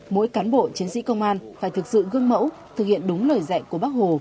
mỗi cán bộ chiến sĩ công an phải thực sự gương mẫu thực hiện đúng lời dạy của bác hồ